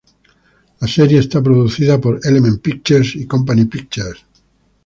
La serie es producida por "Element Pictures" y "Company Pictures".